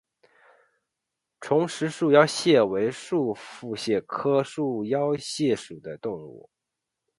重石束腰蟹为束腹蟹科束腰蟹属的动物。